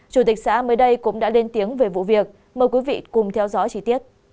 chủ tịch xã mới đây cũng đã lên tiếng về vụ việc mời quý vị cùng theo dõi chi tiết